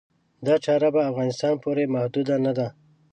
دا چاره په افغانستان پورې محدوده نه ده.